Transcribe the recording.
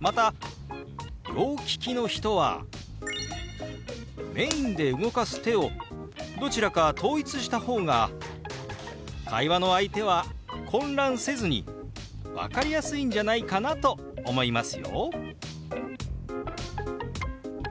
また両利きの人はメインで動かす手をどちらか統一した方が会話の相手は混乱せずに分かりやすいんじゃないかなと思いますよ！